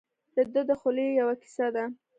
دده د خولې یوه کیسه ده.